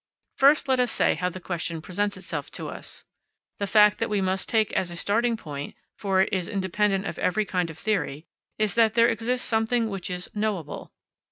First let us say how the question presents itself to us. The fact which we must take as a starting point, for it is independent of every kind of theory, is that there exists something which is "knowable."